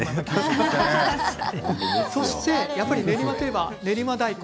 そして、やっぱり練馬といえば練馬大根。